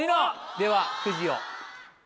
ではくじを。